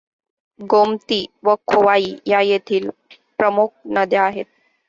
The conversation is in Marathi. गोमती व खोवाई या येथील प्रमुख नद्या आहेत.